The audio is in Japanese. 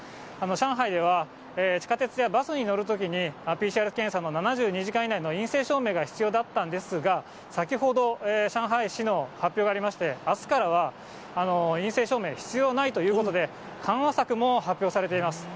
上海では、地下鉄やバスに乗るときに、ＰＣＲ検査の７２時間以内の陰性証明が必要だったんですが、先ほど、上海市の発表がありまして、あすからは、陰性証明、必要ないということで、緩和策も発表されています。